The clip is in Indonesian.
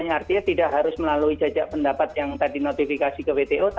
artinya tidak harus melalui jajak pendapat yang tadi notifikasi ke wto